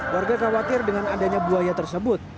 warga khawatir dengan adanya buaya tersebut